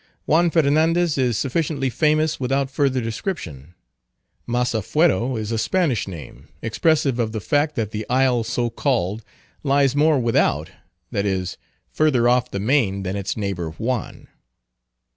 Juan Fernandez is sufficiently famous without further description. Massafuero is a Spanish name, expressive of the fact, that the isle so called lies more without, that is, further off the main than its neighbor Juan.